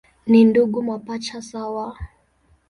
Ni ndugu mapacha sawa.